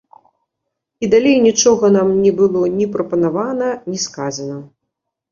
І далей нічога нам не было ні прапанавана, ні сказана.